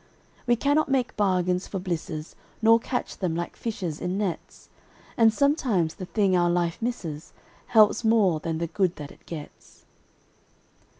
We cannot make bargains for blisses, Nor catch them, like fishes, in nets; And sometimes the thing our life misses Helps more than the good that it gets.